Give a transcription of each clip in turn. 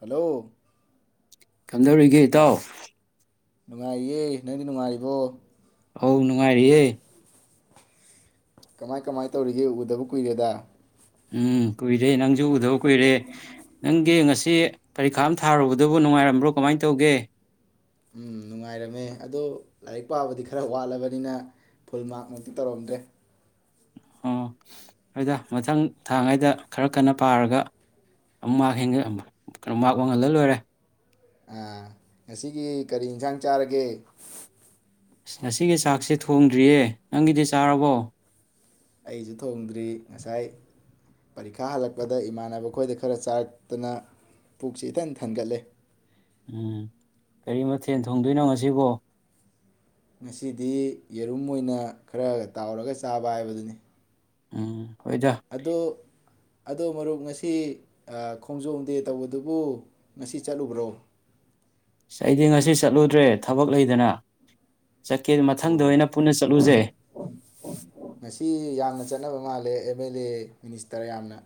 Hello ꯀꯝꯗꯧꯔꯤꯒꯦ ꯏꯇꯥꯎ ꯅꯨꯡꯉꯥꯏꯔꯤꯌꯦ ꯅꯪꯗꯤ ꯅꯨꯡꯉꯥꯏꯔꯤꯕꯣ ꯑ ꯅꯨꯡꯉꯥꯏꯔꯤꯌꯦ ꯀꯃꯥꯏ ꯀꯃꯥꯏ ꯇꯧꯔꯤꯒꯦ ꯎꯗꯕ ꯀꯨꯏꯔꯦꯗ ꯎꯝ ꯀꯨꯏꯔꯦ ꯅꯪꯁꯨ ꯎꯗꯕ ꯀꯨꯏꯔꯦ ꯅꯪꯒꯤ ꯉꯁꯤ ꯄꯔꯤꯈꯥ ꯑꯃ ꯊꯥꯔꯨꯕꯗꯨꯕꯨ ꯅꯨꯡꯉꯥꯏꯔꯝꯕ꯭ꯔꯣ ꯀꯃꯥꯏꯅ ꯇꯧꯒꯦ ꯎꯝ ꯅꯨꯡꯉꯥꯏꯔꯝꯃꯦ ꯑꯗ ꯂꯥꯏꯔꯤꯛ ꯄꯥꯕꯗꯤ ꯈꯔ ꯋꯥꯠꯂꯕꯅꯤꯅ ꯐꯨꯜ ꯃꯥꯔꯛꯃꯨꯛꯇꯤ ꯇꯧꯔꯝꯗ꯭ꯔꯦ--꯫ ꯍꯣ ꯍꯣꯏꯗ ꯃꯊꯪ ꯊꯥꯒꯩꯗ ꯈꯔ ꯀꯟꯅ ꯄꯥꯔꯒ ꯑꯃꯨꯛ ꯃꯔꯛ ꯍꯦꯟ ꯀꯣ ꯃꯔꯛ ꯋꯥꯡꯍꯜꯂ ꯂꯣꯏꯔꯦ ꯑꯥ ꯉꯁꯤꯒꯤ ꯀꯔꯤ ꯍꯦꯟꯖꯥꯡ ꯆꯥꯔꯒꯦ ꯑꯁ ꯉꯁꯤꯒꯤ ꯆꯥꯛꯁꯦ ꯊꯣꯡꯗ꯭ꯔꯤꯌꯦ ꯅꯪꯒꯤꯗꯤ ꯆꯥꯔꯕꯣ ꯑꯩꯁꯨ ꯊꯣꯡꯗ꯭ꯔꯤ ꯉꯁꯥꯏ ꯄꯔꯤꯈꯥ ꯍꯜꯂꯛꯄꯗ ꯏꯃꯥꯟꯅꯕ ꯈꯣꯏꯗ ꯈꯔ ꯆꯥꯔꯛꯇꯅ ꯄꯨꯛꯁꯤ ꯏꯊꯟ ꯊꯟꯒꯠꯂꯦ ꯎꯝ ꯀꯔꯤ ꯃꯊꯦꯜ ꯊꯣꯡꯗꯣꯏꯅꯣ ꯉꯁꯤꯕꯣ ꯉꯁꯤꯗꯤ ꯌꯦꯔꯨꯝ ꯑꯣꯏꯅ ꯈꯔ ꯇꯥꯎꯔꯒ ꯆꯥꯕ ꯍꯥꯏꯕꯗꯨꯅꯤ ꯎꯝ ꯍꯣꯏꯗ ꯑꯗꯣ ꯑꯗꯣ ꯃꯔꯨꯞ ꯉꯁꯤ ꯑꯥ ꯈꯣꯡꯖꯣꯝꯗꯦ ꯇꯧꯕꯗꯨꯕꯨ ꯉꯁꯤ ꯆꯠꯂꯨꯕ꯭ꯔꯣ ꯑꯩꯗꯤ ꯉꯁꯤ ꯆꯠꯂꯨꯗ꯭ꯔꯦ ꯊꯕꯛ ꯂꯩꯗꯅ ꯆꯠꯀꯦꯅ ꯃꯊꯪꯗ ꯑꯣ ꯑꯣꯏꯅ ꯄꯨꯟꯅ ꯆꯠꯂꯨꯁꯦ ꯉꯁꯤ ꯌꯥꯝꯅ ꯆꯠꯅꯕ ꯃꯥꯜꯂꯦ ꯑꯦꯝ ꯑꯦꯜ ꯑꯦ ꯃꯤꯅꯤꯁꯇꯔ ꯌꯥꯝꯅ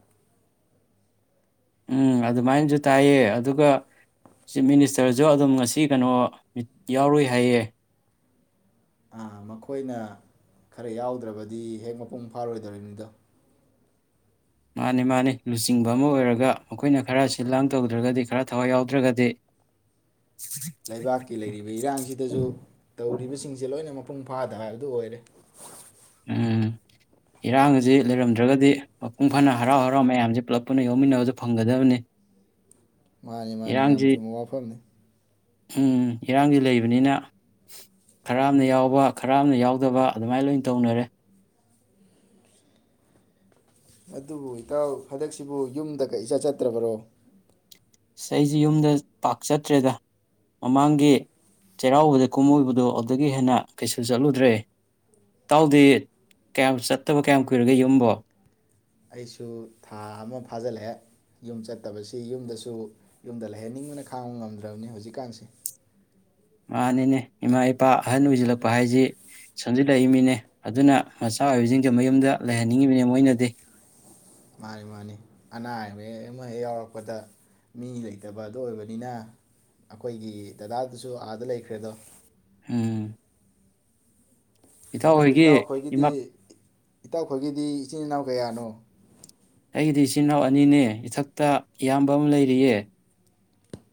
ꯎꯝ ꯑꯗꯨꯃꯥꯏꯅꯁꯨ ꯇꯥꯏꯑ ꯑꯗꯨꯒ ꯆꯤꯞ ꯃꯤꯅꯤꯁꯇꯔꯁꯨ ꯑꯗꯨꯝ ꯉꯁꯤ ꯀꯩꯅꯣ ꯃꯤ ꯌꯥꯎꯔꯨꯏ ꯍꯥꯏꯌꯦ ꯑꯥ ꯃꯈꯣꯏꯅ ꯈꯔ ꯌꯥꯎꯗ꯭ꯔꯕꯗꯤ ꯍꯦꯛ ꯃꯄꯨꯡ ꯐꯥꯔꯣꯏꯗꯧꯔꯤꯕꯅꯤꯗꯣ ꯃꯥꯅꯤ ꯃꯥꯅꯤ ꯂꯨꯆꯤꯡꯕ ꯑꯃ ꯑꯣꯏꯔꯒ ꯃꯈꯣꯏꯅ ꯈꯔ ꯁꯤꯜ ꯂꯥꯡ ꯇꯧꯗ꯭ꯔꯒꯗꯤ ꯈꯔ ꯊꯋꯥꯏ ꯌꯥꯎꯗ꯭ꯔꯒꯗꯤ ꯂꯩꯕꯥꯛꯀꯤ ꯂꯩꯔꯤꯕ ꯏꯔꯥꯡꯁꯤꯗꯁꯨ ꯇꯧꯔꯤꯕꯁꯤꯡꯁꯦ ꯂꯣꯏꯅꯃꯛ ꯃꯄꯨꯡ ꯐꯥꯗꯕ ꯍꯥꯏꯕꯗꯨ ꯑꯣꯏꯔꯦ ꯎꯝ ꯏꯔꯥꯡ ꯑꯁꯤ ꯂꯩꯔꯝꯗ꯭ꯔꯒꯗꯤ ꯃꯄꯨꯡ ꯐꯥꯅ ꯍꯔꯥꯎ ꯍꯔꯥꯎ ꯃꯌꯥꯝꯁꯦ ꯄꯨꯂꯞ ꯄꯨꯟꯅ ꯌꯥꯎꯃꯤꯟꯅꯕꯁꯨ ꯐꯪꯒꯗꯕꯅꯤ ꯃꯥꯅꯤ ꯃꯥꯅꯤ ꯌꯥꯝ ꯏꯔꯥꯡꯁꯤ ꯆꯨꯝꯕ ꯋꯥꯐꯝꯅꯤ ꯎꯝ ꯏꯔꯥꯡꯗꯤ ꯂꯩꯕꯅꯤꯅ ꯈꯔ ꯑꯃꯅ ꯌꯥꯎꯕ ꯈꯔ ꯑꯃꯅ ꯌꯥꯎꯗꯕ ꯑꯗꯨꯃꯥꯏꯅ ꯂꯣꯏꯅ ꯇꯧꯅꯔꯦ ꯑꯗꯨꯕꯨ ꯏꯇꯥꯎ ꯍꯟꯗꯛꯁꯤꯕꯨ ꯌꯨꯝꯗꯒ ꯏꯆꯠ ꯆꯠꯇ꯭ꯔꯕꯔꯣ ꯑꯁ ꯑꯩꯁꯦ ꯌꯨꯝꯗ ꯄꯥꯛ ꯑꯩꯁꯨ ꯊꯥ ꯑꯃ ꯐꯥꯖꯤꯜꯂꯛꯑꯦ ꯌꯨꯝ ꯆꯠꯇꯕꯁꯤ ꯌꯨꯝꯗꯁꯨ ꯌꯨꯝꯗ ꯂꯩꯍꯟꯅꯤꯡꯕꯅ ꯈꯥꯡꯕ ꯉꯝꯗ꯭ꯔꯕꯅꯤ ꯍꯧꯖꯤꯛꯀꯥꯟꯁꯦ ꯃꯥꯅꯤꯅꯦ ꯏꯃꯥ ꯏꯄꯥ ꯑꯍꯟ ꯑꯣꯏꯁꯤꯜꯂꯛꯄ ꯍꯥꯏꯁꯤ ꯁꯣꯟꯖꯤꯜꯂꯛꯏꯃꯤꯅꯦ ꯑꯗꯨꯅ ꯃꯆꯥ ꯑꯣꯏꯕꯁꯤꯡꯁꯦ ꯃꯌꯨꯝꯗ ꯂꯩꯍꯟꯅꯤꯡꯉꯤꯕꯅꯦ ꯃꯣꯏꯅꯗꯤ ꯃꯥꯅꯤ ꯃꯥꯅꯤ ꯑꯅꯥ ꯑꯌꯦꯛ ꯍꯦꯛ ꯑꯃ ꯍꯦꯛ ꯌꯥꯎꯔꯛꯄꯗ ꯃꯤ ꯂꯩꯇꯕ ꯑꯗꯣ ꯑꯣꯏꯕꯅꯤꯅ ꯑꯩꯈꯣꯏꯒꯤ ꯗꯗꯥꯗꯨꯁꯨ ꯑꯥꯗ ꯂꯩꯈ꯭ꯔꯦꯗꯣ ꯍꯝ ꯑꯗꯨꯕꯨ ꯏꯇꯥꯎꯈꯣꯏꯒꯤꯗꯤ ꯏꯃꯥ ꯏ ꯏꯇꯥꯎꯈꯣꯏꯒꯤꯗꯤ ꯏꯆꯤꯟ ꯏꯅꯥꯎ ꯀꯌꯥꯅꯣ ꯑꯩꯒꯤꯗꯤ ꯏꯆꯤꯟ ꯏꯅꯥꯎ ꯑꯅꯤꯅꯦ ꯏꯊꯛꯇ ꯏꯌꯥꯝꯕ ꯑꯃ ꯂꯩꯔꯤꯌꯦ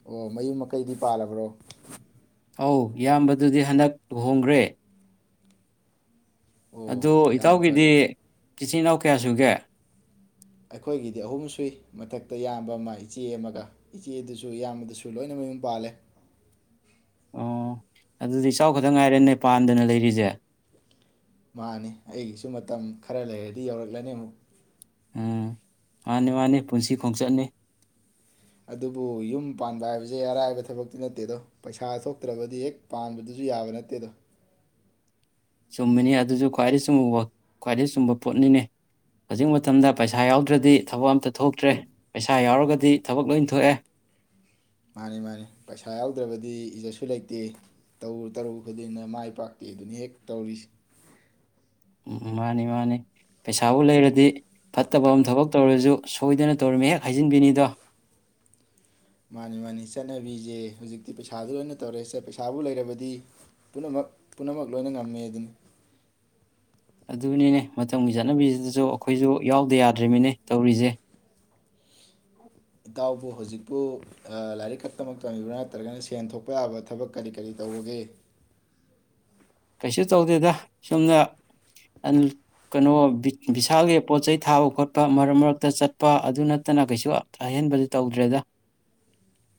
ꯑꯣ ꯃꯌꯨꯝ ꯃꯀꯩꯗꯤ ꯄꯥꯜꯂꯕ꯭ꯔꯣ ꯑꯧ ꯏꯌꯥꯝꯕꯗꯨꯗꯤ ꯍꯟꯗꯛ ꯂꯨꯍꯣꯡꯈ꯭ꯔꯦ ꯑꯗꯨ ꯑꯣ ꯌꯥꯝꯅ ꯏꯇꯥꯎꯒꯤꯗꯤ ꯐꯔꯦ ꯏꯆꯤꯟ ꯏꯅꯥꯎ ꯀꯌꯥ ꯁꯨꯒꯦ ꯑꯩꯈꯣꯏꯒꯤꯗꯤ ꯑꯍꯨꯝ ꯁꯨꯏ ꯃꯊꯛꯇ ꯏꯌꯥꯝꯕ ꯑꯃ ꯏꯆꯦ ꯑꯃꯒ ꯏꯆꯦꯗꯨꯁꯨ ꯏꯌꯥꯝꯕꯗꯨꯁꯨ ꯂꯣꯏꯅ ꯃꯌꯨꯝ ꯄꯥꯜꯂꯦ ꯑꯣ ꯑꯗꯨꯗꯤ ꯏꯇꯥꯎ ꯈꯛꯇꯪ ꯉꯥꯏꯔꯦꯅꯦ ꯄꯥꯟꯗꯅ ꯂꯩꯔꯤꯁꯦ ꯃꯥꯅꯤ ꯑꯩꯒꯤꯁꯨ ꯃꯇꯝ ꯈꯔ ꯂꯩꯔꯗꯤ ꯌꯧꯔꯛꯂꯅꯤ ꯑꯃꯨꯛ ꯎꯝ ꯃꯥꯟꯅꯤ ꯃꯥꯟꯅꯤ ꯄꯨꯟꯁꯤ ꯈꯣꯡꯆꯠꯅꯤ ꯑꯗꯨꯕꯨ ꯌꯨꯝ ꯄꯥꯟꯕ ꯍꯥꯏꯕꯁꯦ ꯑꯔꯥꯏꯕ ꯊꯕꯛꯇꯤ ꯅꯠꯇꯦꯗꯣ ꯄꯩꯁꯥ ꯊꯣꯛꯇ꯭ꯔꯕꯗꯤ ꯍꯦꯛ ꯄꯥꯟꯕꯗꯨꯁꯨ ꯌꯥꯕ ꯅꯠꯇꯦꯗꯣ ꯆꯨꯝꯃꯤꯅꯤ ꯑꯗꯨꯁꯨ ꯈ꯭ꯋꯥꯏꯗꯒꯤ ꯆꯨꯝꯕ ꯈ꯭ꯋꯥꯏꯗꯒꯤ ꯆꯨꯝꯕ ꯄꯣꯠꯅꯤꯅꯦ ꯍꯧꯖꯤꯛ ꯃꯇꯝꯗ ꯄꯩꯁꯥ ꯌꯥꯎꯗ꯭ꯔꯗꯤ ꯊꯕꯛ ꯑꯝꯇ ꯊꯣꯛꯇ꯭ꯔꯦ ꯄꯩꯁꯥ ꯌꯥꯎꯔꯒꯗꯤ ꯊꯕꯛ ꯂꯣꯏ ꯊꯣꯛꯑꯦ ꯃꯥꯟꯅꯤ ꯃꯥꯟꯅꯤ ꯄꯩꯁꯥ ꯌꯥꯎꯗ꯭ꯔꯕꯗꯤ ꯏꯖꯠꯁꯨ ꯂꯩꯇꯦ ꯇꯧꯔꯨ ꯇꯧꯔꯨ ꯈꯨꯗꯤꯡꯗ ꯃꯥꯏ ꯄꯥꯛꯇꯦ ꯑꯗꯨꯅꯤ ꯍꯦꯛ ꯇꯧꯔꯤꯁꯦ ꯎꯝ ꯃꯥꯟꯅꯤ ꯃꯥꯟꯅꯤ ꯄꯩꯁꯥꯕꯨ ꯂꯩꯔꯗꯤ ꯐꯠꯇꯕ ꯑꯃ ꯊꯕꯛ ꯇꯧꯔꯁꯨ ꯁꯣꯏꯗꯅ ꯇꯧꯔꯝꯃꯤ ꯍꯦꯛ ꯍꯥꯏꯖꯤꯟꯕꯤꯅꯤꯗꯣ ꯃꯥꯟꯅꯤ ꯃꯥꯟꯅꯤ ꯆꯠꯅꯕꯤꯖꯦ ꯍꯧꯖꯤꯛꯇꯤ ꯄꯩꯁꯥꯗ ꯂꯣꯏꯅ ꯇꯧꯔꯦ ꯄꯩꯁꯥꯕꯨ ꯂꯩꯔꯕꯗꯤ ꯄꯨꯝꯅꯃꯛ ꯄꯨꯝꯅꯃꯛ ꯂꯣꯏꯅ ꯉꯝꯃꯦꯗꯨꯅꯤ ꯑꯗꯨꯅꯤꯅꯦ ꯃꯇꯝꯒꯤ ꯆꯠꯅꯕꯤꯁꯤꯗꯁꯨ ꯑꯩꯈꯣꯏꯁꯨ ꯌꯥꯎꯗ ꯌꯥꯗ꯭ꯔꯤꯃꯤꯅꯦ ꯇꯧꯔꯤꯁꯦ ꯏꯇꯥꯎꯕꯨ ꯍꯧꯖꯤꯛꯄꯨ ꯂꯥꯏꯔꯤꯛ ꯈꯛꯇꯃꯛ ꯇꯝꯃꯤꯕ꯭ꯔꯥ ꯅꯠꯇ꯭ꯔꯒꯅ ꯁꯦꯟ ꯊꯣꯛꯄ ꯌꯥꯕ ꯊꯕꯛ ꯀꯔꯤ ꯀꯔꯤ ꯇꯧꯕꯒꯦ ꯀꯩꯁꯨ ꯇꯧꯗꯦꯗ ꯁꯨꯝꯅ ꯀꯩꯅꯣ ꯕꯤꯁꯥꯜꯒꯤ ꯄꯣꯠ ꯆꯩ ꯊꯥꯕ ꯈꯣꯠꯄ ꯃꯔꯛ ꯃꯔꯛꯇ ꯆꯠꯄ ꯑꯗꯨ ꯅꯠꯇꯅ ꯀꯩꯁꯨ ꯑꯍꯦꯟꯕꯗ ꯇꯧꯗ꯭ꯔꯦꯗ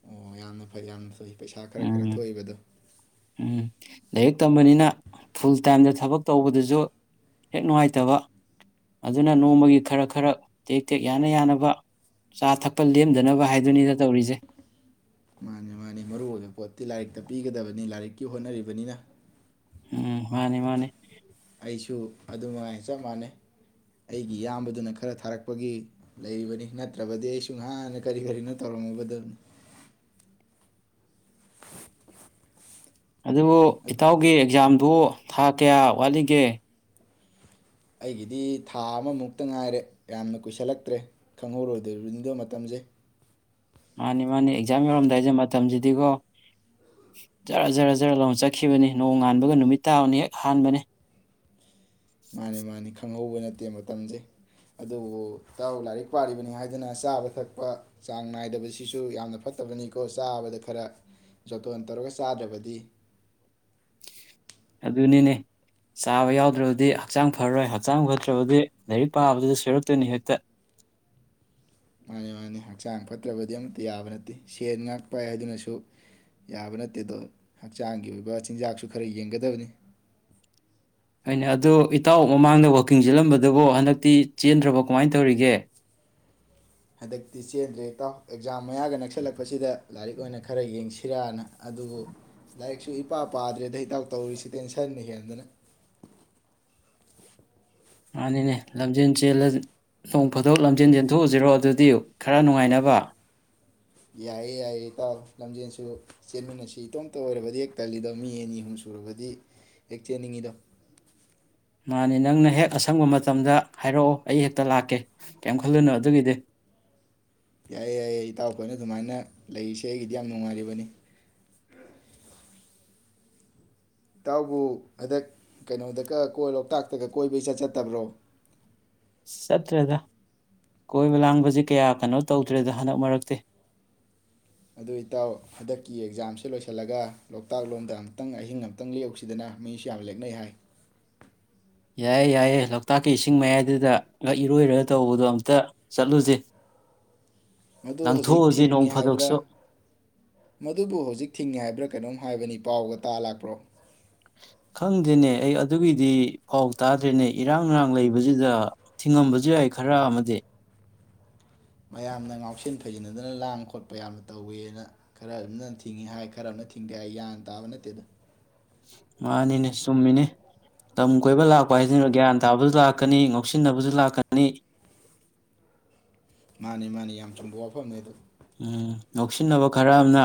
ꯑꯣ ꯌꯥꯝꯅ ꯐꯩ ꯌꯥꯝꯅ ꯐꯩ ꯄꯩꯁꯥ ꯈꯔ ꯈꯔ ꯎꯝ ꯊꯣꯛꯏꯕꯗꯣ ꯎꯝ ꯂꯥꯏꯔꯤꯛ ꯇꯝꯕꯅꯤꯅ ꯐꯨꯜ ꯇꯥꯏꯝꯗ ꯊꯕꯛ ꯇꯧꯕꯗꯨꯁꯨ ꯍꯦꯛ ꯅꯨꯡꯉꯥꯏꯇꯕ ꯑꯗꯨꯅ ꯅꯣꯡꯃꯒꯤ ꯈꯔ ꯈꯔ ꯇꯦꯛ ꯇꯦꯛ ꯌꯥꯅ ꯌꯥꯅꯕ ꯆꯥ ꯊꯛꯄ ꯂꯦꯝꯗꯅꯕ ꯍꯥꯏꯗꯨꯅꯤꯗ ꯇꯧꯔꯤꯖꯦ ꯃꯥꯟꯅꯤ ꯃꯥꯟꯅꯤ ꯃꯔꯨꯑꯣꯏꯕ ꯄꯣꯠꯇꯤ ꯂꯥꯏꯔꯤꯛꯇ ꯄꯤꯒꯗꯕꯅꯤ ꯂꯥꯏꯔꯤꯛꯀꯤ ꯍꯣꯠꯅꯔꯤꯕꯅꯤꯅ ꯎꯝ ꯃꯥꯟꯅꯤ ꯃꯥꯟꯅꯤ ꯑꯩꯁꯨ ꯑꯗꯨꯝꯉꯥꯏ ꯆꯞ ꯃꯥꯟꯅꯩ ꯑꯩꯒꯤ ꯏꯌꯥꯝꯕꯗꯨꯅ ꯈꯔ ꯊꯥꯔꯛꯄꯒꯤ ꯂꯩꯔꯤꯕꯅꯤ ꯅꯠꯇ꯭ꯔꯕꯗꯤ ꯑꯩꯁꯨ ꯉꯍꯥꯟꯅ ꯀꯔꯤ ꯀꯔꯤꯅꯣ ꯇꯧꯔꯝꯃꯕꯗꯕꯅꯤ ꯑꯗꯨꯕꯨ ꯏꯇꯥꯎꯒꯤ ꯑꯦꯛꯖꯥꯝ ꯕꯣ ꯊꯥ ꯀꯌꯥ ꯋꯥꯠꯂꯤꯒꯦ ꯑꯩꯒꯤꯗꯤ ꯊꯥ ꯑꯃꯃꯨꯛꯇ ꯉꯥꯏꯔꯦ ꯌꯥꯝꯅ ꯀꯨꯏꯁꯜꯂꯛꯇ꯭ꯔꯦ ꯈꯪꯍꯧꯔꯣꯏꯗꯔꯤꯕꯅꯤꯗꯣ ꯃꯇꯝꯁꯦ ꯃꯥꯟꯅꯤ ꯃꯥꯟꯅꯤ ꯑꯦꯛꯖꯥꯝ ꯌꯧꯔꯝꯗꯥꯏꯁꯦ ꯃꯇꯝꯖꯤꯗꯤꯀꯣ ꯖꯔ ꯖꯔ ꯖꯔ ꯂꯥꯎꯅ ꯆꯠꯈꯤꯕꯅꯤ ꯅꯣꯡ ꯉꯥꯟꯕꯒ ꯅꯨꯃꯤꯠ ꯇꯥꯕꯅ ꯍꯦꯛ ꯍꯥꯟꯕꯅꯦ ꯃꯥꯟꯅꯤ ꯃꯥꯟꯅꯤ ꯈꯪꯍꯧꯕ ꯅꯠꯇꯦ ꯃꯇꯝꯖꯦ ꯑꯗꯨꯕꯨ ꯏꯇꯥꯎ ꯂꯥꯏꯔꯤꯛ ꯄꯔꯤꯕꯅꯤ ꯍꯥꯏꯗꯅ ꯆꯥꯕ ꯊꯛꯄ ꯆꯥꯡ ꯅꯥꯏꯗꯕꯁꯤꯁꯨ ꯌꯥꯝꯅ ꯐꯠꯇꯕꯅꯤꯀꯣ ꯆꯥꯕꯗ ꯈꯔ ꯖꯣꯠꯇꯣꯟ ꯇꯧꯔꯒ ꯆꯥꯗ꯭ꯔꯕꯗꯤ ꯑꯗꯨꯅꯤꯅꯦ ꯆꯥꯕ ꯌꯥꯎꯗ꯭ꯔꯕꯗꯤ ꯍꯛꯆꯥꯡ ꯐꯔꯔꯣꯏ ꯍꯛꯆꯥꯡ ꯐꯠꯇ꯭ꯔꯕꯗꯤ ꯂꯥꯏꯔꯤꯛ ꯄꯥꯕꯗꯨꯗ ꯁꯣꯏꯔꯛꯇꯣꯏꯅꯤ ꯍꯦꯛꯇ ꯃꯥꯟꯅꯤ ꯃꯥꯟꯅꯤ ꯍꯛꯆꯥꯡ ꯐꯠꯇ꯭ꯔꯕꯗꯤ ꯑꯝꯇ ꯌꯥꯕ ꯅꯠꯇꯦ ꯁꯦꯟ ꯉꯥꯛ ꯄꯥꯏ ꯍꯥꯏꯗꯨꯅꯁꯨ ꯌꯥꯕ ꯅꯠꯇꯦꯗꯣ ꯍꯛꯆꯥꯡꯒꯤ ꯑꯣꯏꯕ ꯆꯤꯟꯖꯥꯛꯁꯨ ꯈꯔ ꯌꯦꯡꯒꯗꯕꯅꯤ ꯑꯗꯣ ꯏꯇꯥꯎ ꯃꯃꯥꯡꯗ ꯋꯥꯛꯀꯤꯡ ꯆꯠꯂꯝꯕꯗꯨꯕꯨ ꯍꯟꯗꯛꯇꯤ ꯆꯦꯟꯗ꯭ꯔꯕꯣ ꯀꯃꯥꯏꯅ ꯇꯧꯔꯤꯒꯦ ꯍꯟꯗꯛꯇꯤ ꯆꯦꯟꯗ꯭ꯔꯦ ꯏꯇꯥꯎ ꯑꯦꯛꯖꯥꯝ ꯃꯌꯥꯒ ꯅꯛꯁꯜꯂꯛꯄꯁꯤꯗ ꯂꯥꯏꯔꯤꯛ ꯑꯣꯏꯅ ꯈꯔ ꯌꯦꯡꯁꯤꯔꯅ ꯑꯗꯨꯕꯨ ꯂꯥꯏꯔꯤꯛꯁꯨ ꯏꯄꯥ ꯄꯥꯗ꯭ꯔꯦꯗ ꯏꯇꯥꯎ ꯇꯧꯔꯤꯁꯦ ꯇꯦꯟꯁꯟꯅ ꯍꯦꯟꯗꯅ ꯃꯥꯟꯅꯤꯅꯦ ꯂꯝꯖꯦꯟ ꯆꯦꯜ ꯅꯣꯡ ꯐꯥꯗꯣꯛ ꯂꯝꯖꯦꯜ ꯆꯦꯟꯊꯣꯛꯎꯁꯤꯔꯣ ꯑꯗꯨꯗꯤ ꯈꯔ ꯅꯨꯡꯉꯥꯏꯅꯕ ꯌꯥꯏꯌꯦ ꯌꯥꯏꯌꯦ ꯏꯇꯥꯎ ꯂꯝꯖꯦꯟꯁꯨ ꯆꯦꯟꯃꯤꯟꯅꯁꯤ ꯏꯇꯣꯝꯇ ꯑꯣꯏꯔꯕꯗꯤ ꯍꯦꯛ ꯇꯜꯂꯤꯗꯣ ꯃꯤ ꯑꯅꯤꯍꯨꯝ ꯁꯨꯔꯕꯗꯤ ꯍꯦꯛ ꯆꯦꯟꯅꯤꯡꯉꯤꯗꯣ ꯃꯥꯅꯤ ꯅꯪꯅ ꯍꯦꯛ ꯑꯁꯪꯕ ꯃꯇꯝꯗ ꯍꯥꯏꯔꯛꯑꯣ ꯑꯩ ꯍꯦꯛꯇ ꯂꯥꯛꯀꯦ ꯀꯌꯤꯝ ꯈꯜꯂꯨꯅꯨ ꯑꯗꯨꯒꯤꯗꯤ ꯌꯥꯏꯌꯦ ꯌꯥꯏꯌꯦ ꯏꯇꯥꯎ ꯈꯣꯏꯅ ꯑꯗꯨꯃꯥꯏꯅ ꯂꯩꯔꯤꯁꯦ ꯑꯩꯒꯤꯗꯤ ꯌꯥꯝ ꯅꯨꯡꯉꯥꯏꯔꯤꯕꯅꯤ ꯏꯇꯥꯎꯕꯨ ꯍꯟꯗꯛ ꯀꯩꯅꯣꯗꯀꯥ ꯀꯣꯏ ꯂꯣꯛꯇꯥꯛꯇꯒ ꯀꯣꯏꯕ ꯏꯆꯠ ꯆꯠꯇꯕ꯭ꯔꯣ ꯆꯠꯇ꯭ꯔꯦꯗ ꯀꯣꯏꯕ ꯂꯥꯡꯕꯖꯦ ꯀꯌꯥ ꯀꯩꯅꯣ ꯇꯧꯗ꯭ꯔꯦꯗ ꯍꯟꯗꯛ ꯃꯔꯛꯇꯤ ꯑꯗꯨ ꯏꯇꯥꯎ ꯍꯟꯗꯛꯀꯤ ꯑꯦꯛꯖꯥꯝꯁꯦ ꯂꯣꯏꯁꯤꯜꯂꯒ ꯂꯣꯛꯇꯥꯛ ꯂꯣꯝꯗ ꯑꯃꯇꯪ ꯑꯍꯤꯡ ꯑꯃꯇꯪ ꯂꯦꯛꯎꯁꯤꯗꯅ ꯃꯤꯁꯨ ꯌꯥꯝ ꯂꯦꯛꯅꯩ ꯍꯥꯏ ꯌꯥꯏꯌꯦ ꯌꯥꯏꯌꯦ ꯂꯣꯛꯇꯥꯛꯀꯤ ꯏꯁꯤꯡ ꯃꯌꯥꯏꯗꯨꯗ ꯏꯔꯣꯏꯔꯒ ꯇꯧꯕꯗꯣ ꯑꯝꯇ ꯆꯠꯂꯨꯖꯦ ꯑꯗꯣ ꯍꯧꯖꯤꯛ ꯊꯤꯡꯉꯤ ꯍꯥꯏꯕ꯭ꯔꯥ ꯃꯗꯨꯕꯨ ꯍꯧꯖꯤꯛ ꯊꯤꯡꯉꯤ ꯍꯥꯏꯕ꯭ꯔꯥ ꯀꯩꯅꯣꯝ ꯍꯥꯏꯕꯅꯤ ꯄꯥꯎꯒ ꯇꯥ ꯂꯥꯛꯄ꯭ꯔꯣ ꯈꯪꯗꯦꯅꯦ ꯑꯩ ꯑꯗꯨꯒꯤꯗꯤ ꯄꯥꯎ ꯇꯥꯗ꯭ꯔꯦꯅꯦ ꯏꯔꯥꯡ ꯅꯨꯔꯥꯡ ꯂꯩꯕꯖꯤꯗ ꯊꯤꯡꯉꯝꯕꯁꯨ ꯌꯥꯏ ꯈꯔ ꯑꯃꯗꯤ ꯃꯌꯥꯝꯅ ꯉꯥꯎꯁꯤꯟ ꯐꯩꯖꯤꯟꯅꯗꯅ ꯂꯥꯡ ꯈꯣꯠꯄ ꯌꯥꯝꯅ ꯇꯧꯋꯦꯅ ꯈꯔ ꯑꯝꯅ ꯊꯤꯡꯉꯤ ꯍꯥꯏ ꯈꯔ ꯑꯝꯅ ꯊꯤꯡꯗꯦ ꯍꯥꯏ ꯌꯥꯟ ꯇꯥꯕ ꯅꯠꯇꯦꯗ ꯃꯥꯟꯅꯤꯅꯦ ꯆꯨꯝꯃꯤꯅꯦ ꯂꯝ ꯀꯣꯏꯕ ꯂꯥꯛꯄ ꯍꯥꯏꯁꯤꯅ ꯒ꯭ꯌꯥꯟ ꯇꯥꯕꯖꯨ ꯂꯥꯛꯀꯅꯤ ꯉꯧꯁꯤꯟꯅꯕꯖꯨ ꯂꯥꯛꯀꯅꯤ ꯃꯥꯟꯅꯤ ꯃꯥꯟꯅꯤ ꯌꯥꯝ ꯆꯨꯝꯕ ꯋꯥꯐꯝꯅꯦ ꯑꯗꯨ ꯎꯝ ꯉꯥꯎꯁꯤꯟꯅꯕ ꯈꯔ ꯑꯝꯅ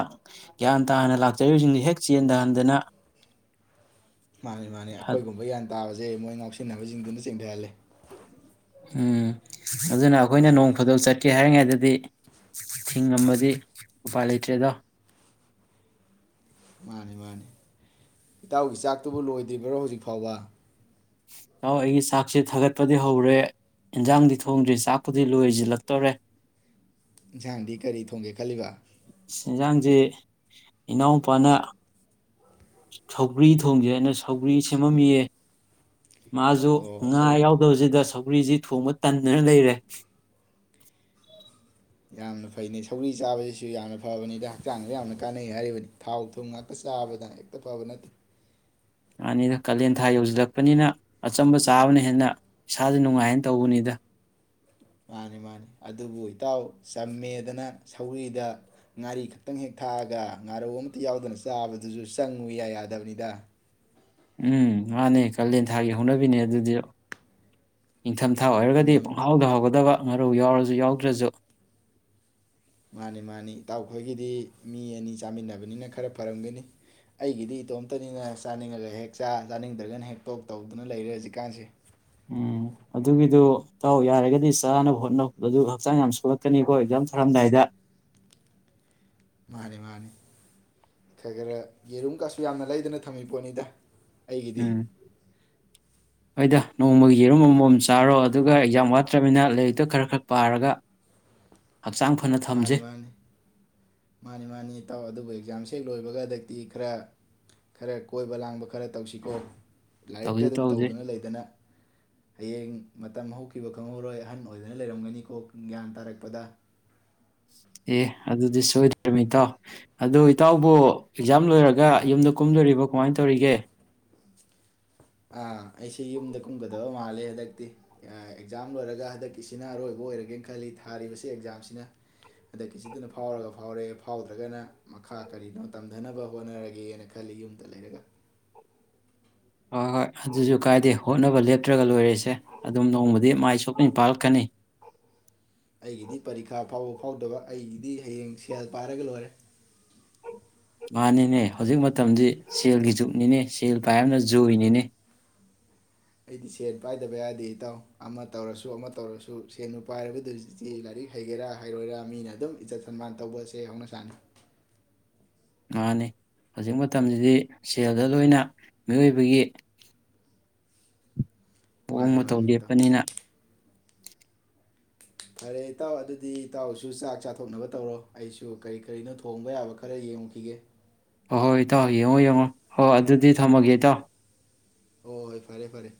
ꯒ꯭ꯌꯥꯟ ꯇꯥꯅ ꯂꯥꯛꯆꯔꯤꯕꯁꯤꯡ ꯍꯦꯛ ꯆꯦꯟꯗꯍꯟꯗꯅ ꯃꯥꯅꯤ ꯃꯥꯅꯤ ꯑꯩꯈꯣꯏꯒꯨꯝꯕ ꯌꯥꯟ ꯇꯥꯕꯁꯦ ꯃꯣꯏ ꯉꯥꯎꯁꯤꯟꯅꯕꯁꯤꯡꯗꯨꯅ ꯆꯦꯊꯍꯜꯂꯦ ꯎꯝ ꯑꯗꯨꯅ ꯑꯩꯈꯣꯏꯅ ꯅꯣꯡ ꯐꯗꯣꯛ ꯆꯠꯀꯦ ꯍꯥꯏꯔꯤꯉꯩꯗꯗꯤ ꯊꯤꯡꯉꯝꯃꯗꯤ ꯎꯄꯥꯏ ꯂꯩꯇ꯭ꯔꯦꯗꯣ ꯃꯥꯅꯤ ꯃꯥꯅꯤ ꯏꯇꯥꯎꯒꯤ ꯆꯥꯛꯇꯨꯕꯨ ꯂꯣꯏꯗ꯭ꯔꯤꯕ꯭ꯔꯣ ꯍꯧꯖꯤꯛ ꯐꯥꯎꯕ ꯇꯥꯎ ꯑꯩꯒꯤ ꯆꯥꯛꯁꯦ ꯊꯥꯒꯠꯄꯗꯤ ꯍꯧꯔꯦ ꯏꯟꯖꯥꯡꯗꯤ ꯊꯣꯡꯗ꯭ꯔꯤ ꯆꯥꯛꯄꯨꯗꯤ ꯂꯣꯏꯖꯤꯜꯂꯛꯇꯣꯔꯦ ꯏꯟꯁꯥꯡꯗꯤ ꯀꯔꯤ ꯊꯣꯡꯒꯦ ꯈꯜꯂꯤꯕ ꯏꯟꯖꯥꯡꯖꯦ ꯏꯅꯥꯎꯄꯥꯅ ꯁꯎꯒ꯭ꯔꯤ ꯊꯣꯡꯖꯦꯅ ꯁꯧꯒ꯭ꯔꯤ ꯁꯦꯝꯃꯝꯃꯤꯌꯦ ꯃꯥꯁꯨ ꯑꯣ ꯉꯥ ꯁꯧ ꯌꯥꯎꯗꯕꯁꯤꯗ ꯁꯧ ꯊꯣꯡꯕ ꯇꯟꯗꯅ ꯂꯩꯔꯦ ꯌꯥꯝꯅ ꯐꯩꯩꯅꯩ ꯁꯧꯒꯔꯤ ꯆꯥꯕꯁꯤꯁꯨ ꯌꯥꯝꯅ ꯐꯕꯅꯤꯗ ꯍꯛꯆꯥꯡꯗ ꯌꯥꯝꯅ ꯀꯥꯟꯅꯩ ꯍꯥꯏꯔꯤꯕꯗꯤ ꯊꯥꯎ ꯊꯨꯝ ꯉꯥꯛꯇ ꯆꯥꯕꯗꯅ ꯍꯦꯛꯇ ꯐꯕ ꯅꯠꯇꯦ ꯃꯥꯅꯤꯗ ꯀꯥꯂꯦꯟ ꯊꯥ ꯌꯧꯁꯤꯜꯂꯛꯄꯅꯤꯅ ꯑꯆꯝꯕ ꯆꯥꯕꯅ ꯍꯦꯟꯅ ꯏꯁꯥꯥꯁꯦ ꯅꯨꯡꯉꯥꯏꯅ ꯇꯧꯕꯅꯤꯗ ꯃꯥꯅꯤ ꯃꯥꯅꯤ ꯑꯗꯨꯕꯨ ꯏꯇꯥꯎ ꯆꯝꯃꯦꯗꯅ ꯁꯧꯒꯔ꯭ꯤꯗ ꯉꯥꯔꯤ ꯈꯛꯇꯪ ꯍꯦꯛ ꯊꯥꯛꯑꯒ ꯉꯥꯔꯧ ꯑꯃꯇ ꯌꯥꯎꯗꯅ ꯆꯥꯕꯗꯨꯁꯨ ꯆꯪꯉꯨ ꯏꯌꯥ ꯌꯥꯗꯝꯅꯤꯗ ꯎꯝ ꯃꯥꯅꯦ ꯀꯥꯂꯦꯟ ꯊꯥꯒꯤ ꯍꯧꯅꯕꯤꯅꯦ ꯑꯗꯨꯗꯤ ꯅꯤꯡꯊꯝꯊꯥ ꯑꯣꯏꯔꯒꯗꯤ ꯏꯪꯗꯝ ꯄꯨꯡꯍꯥꯎꯗ ꯍꯥꯎꯒꯗꯕ ꯉꯥꯔꯧ ꯌꯥꯎꯔꯁꯨ ꯌꯥꯎꯗ꯭ꯔꯁꯨ ꯃꯥꯅꯤ ꯃꯥꯅꯤ ꯏꯇꯥꯎꯈꯣꯏꯒꯤꯗꯤ ꯃꯤ ꯑꯅꯤ ꯆꯥꯃꯤꯟꯅꯕꯅꯤꯅ ꯈꯔ ꯐꯔꯝꯒꯅꯤ ꯑꯩꯒꯤꯗꯤ ꯏꯇꯣꯝꯇꯅꯤꯅ ꯆꯥꯅꯤꯡꯉꯒ ꯍꯦꯛ ꯆꯥ ꯆꯥꯅꯤꯡꯗ꯭ꯔꯒꯅ ꯍꯦꯛ ꯇꯣꯛ ꯇꯧꯗꯨꯅ ꯂꯩꯔꯦ ꯍꯧꯖꯤꯛꯀꯥꯟꯁꯦ ꯎꯝ ꯑꯗꯨꯒꯤꯗꯨ ꯏꯇꯥꯎ ꯌꯥꯔꯒꯗꯤ ꯆꯥꯅꯕ ꯍꯣꯠꯅꯧ ꯑꯗꯨ ꯍꯛꯆꯥꯡ ꯌꯥꯝ ꯁꯣꯛꯂꯛꯀꯅꯤꯀꯣ ꯑꯦꯛꯖꯥꯝ ꯊꯥꯔꯝꯗꯥꯏꯗ ꯃꯥꯅꯤ ꯃꯥꯅꯤ ꯈꯔ ꯈꯔ ꯌꯦꯔꯨꯝ ꯀꯥꯁꯨ ꯌꯥꯝꯅ ꯂꯩꯗꯅ ꯊꯝꯃꯤ ꯄꯣꯠꯅꯤꯗ ꯑꯩꯒꯤꯗꯤ ꯎꯝ ꯍꯣꯏꯗ ꯅꯣꯡꯃꯒꯤ ꯌꯦꯔꯨꯝ ꯑꯃꯃꯝ ꯆꯥꯔꯣ ꯑꯗꯨꯒ ꯑꯦꯛꯖꯥꯝ ꯋꯥꯠꯇ꯭ꯔꯕꯅꯤꯅ ꯂꯥꯏꯔꯤꯛꯇꯣ ꯈꯔ ꯈꯔ ꯄꯥꯔꯒ ꯍꯛꯆꯥꯡ ꯐꯅ ꯃꯥꯅꯤ ꯊꯝꯁꯦ ꯃꯥꯅꯤ ꯃꯥꯅꯤ ꯃꯥꯅꯤ ꯏꯇꯥꯎ ꯑꯗꯨꯕꯨ ꯑꯦꯛꯖꯥꯝꯁꯦ ꯍꯦꯛ ꯂꯣꯏꯕꯒ ꯍꯟꯗꯛꯇꯤ ꯈꯔ ꯈꯔ ꯀꯣꯏꯕ ꯂꯥꯡꯕ ꯈꯔ ꯇꯧꯁꯤꯀꯣ ꯂꯥꯏꯔꯤꯛꯇ ꯇꯧꯁꯤ ꯑꯗꯨꯝ ꯇꯧꯁꯤ ꯇꯧꯗꯨꯅ ꯂꯩꯗꯅ ꯍꯌꯦꯡ ꯃꯇꯝ ꯍꯧꯈꯤꯕ ꯈꯪꯍꯧꯔꯣꯏ ꯑꯍꯟ ꯑꯣꯏꯗꯅ ꯂꯩꯔꯝꯒꯅꯤꯀꯣ ꯒ꯭ꯌꯥꯟ ꯇꯥꯔꯛꯄꯗ ꯑꯦ ꯑꯗꯨꯗꯤ ꯁꯣꯏꯗ꯭ꯔꯃꯤ ꯏꯇꯥꯎ ꯑꯗꯨ ꯏꯇꯥꯎꯕꯨ ꯑꯦꯛꯖꯥꯝ ꯂꯣꯏꯔꯒ ꯌꯨꯝꯗ ꯀꯨꯝꯗꯣꯔꯤꯕꯣ ꯀꯃꯥꯏꯅ ꯇꯧꯔꯤꯒꯦ ꯑꯥ ꯑꯩꯁꯤ ꯌꯨꯝꯗ ꯀꯨꯝꯒꯗꯕ ꯃꯥꯜꯂꯦ ꯍꯟꯗꯛꯇꯤ ꯑꯦꯛꯖꯥꯝ ꯂꯣꯏꯔꯒ ꯍꯟꯗꯛꯀꯤꯁꯤꯅ ꯑꯔꯣꯏꯕ ꯑꯣꯏꯔꯒꯦꯅ ꯈꯜꯂꯤ ꯊꯥꯔꯤꯕꯁꯤ ꯑꯦꯛꯖꯥꯝꯁꯤꯅ ꯍꯟꯗꯛꯀꯤꯁꯤꯗꯨꯅ ꯐꯥꯎꯔꯒ ꯐꯥꯎꯔꯦ ꯐꯥꯎꯗ꯭ꯔꯒꯅ ꯃꯈꯥ ꯀꯔꯤꯅꯣ ꯇꯝꯊꯅꯕ ꯍꯣꯠꯅꯔꯒꯦꯅ ꯈꯜꯂꯤ ꯌꯨꯝꯗ ꯂꯩꯔꯒ ꯍꯥ ꯍꯣꯏ ꯑꯗꯨꯁꯨ ꯀꯥꯏꯗꯦ ꯍꯣꯠꯅꯕ ꯂꯦꯞꯇ꯭ꯔꯒ ꯂꯣꯏꯔꯦꯁꯦ ꯑꯗꯨꯝ ꯅꯣꯡꯃꯗꯤ ꯃꯥꯏ ꯁꯣꯏꯗꯅꯥ ꯄꯥꯂꯛꯀꯅꯤ ꯑꯩꯒꯤꯗꯤ ꯄꯔꯤꯈꯥ ꯐꯥꯎꯕ ꯐꯥꯎꯗꯕ ꯑꯩꯒꯤꯗꯤ ꯍꯌꯦꯡ ꯁꯦꯜ ꯄꯥꯏꯔꯒ ꯂꯣꯏꯔꯦ ꯃꯥꯅꯤꯅꯦ ꯍꯧꯖꯤꯛ ꯃꯇꯝꯗꯤ ꯁꯦꯜꯒꯤ ꯖꯨꯨꯞꯅꯤꯅꯦ ꯁꯦꯜ ꯄꯥꯏꯕꯅ ꯖꯣꯏꯅꯤꯅꯦ ꯑꯩꯗꯤ ꯁꯦꯟ ꯄꯥꯏꯗꯕ ꯌꯥꯗꯦ ꯏꯇꯥꯎ ꯑꯃ ꯇꯧꯔꯁꯨ ꯑꯃ ꯇꯧꯔꯁꯨ ꯁꯦꯟꯕꯨ ꯄꯥꯏꯔꯕꯗꯨꯗꯤ ꯂꯥꯏꯔꯤꯛ ꯍꯩꯒꯦꯔꯥ ꯍꯩꯔꯣꯏꯔꯥ ꯃꯤꯅ ꯑꯗꯨꯝ ꯏꯖꯠ ꯁꯟꯃꯥꯟ ꯇꯧꯕꯁꯦ ꯍꯧꯅ ꯁꯥꯅꯤ ꯃꯥꯅꯤ ꯍꯧꯖꯤꯛ ꯃꯇꯝꯁꯤꯗꯤ ꯁꯦꯜꯗ ꯂꯣꯏꯅ ꯃꯤꯑꯣꯏꯕꯒꯤ ꯃꯑꯣꯡ ꯃꯥꯅꯤ ꯃꯇꯧ ꯃꯥꯅꯤ ꯏꯇꯥꯎ ꯂꯦꯞꯄꯅꯤꯅ ꯐꯔꯦ ꯏꯇꯥꯎ ꯑꯗꯨꯗꯤ ꯏꯇꯥꯎꯁꯨ ꯆꯥꯛ ꯆꯥꯊꯣꯛꯅꯕ ꯇꯧꯔꯣ ꯑꯩꯁꯨ ꯀꯔꯤ ꯀꯔꯤꯅꯣ ꯊꯣꯡꯕ ꯌꯥꯕ ꯈꯔ ꯌꯦꯡꯉꯨꯈꯤꯒꯦ ꯍꯣꯏ ꯍꯣꯏ ꯏꯇꯥꯎ ꯌꯦꯡꯉꯣ ꯌꯦꯡꯉꯣ ꯍꯣꯏ ꯑꯗꯨꯗꯤ ꯊꯝꯃꯒꯦ ꯏꯇꯥꯎ ꯍꯣꯏ ꯍꯣꯏ ꯐꯔꯦ ꯐꯔꯦ